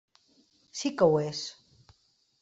Sí que ho és.